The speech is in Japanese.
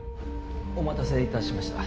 お待たせいたしました